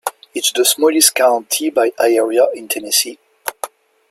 It is the smallest county by area in Tennessee.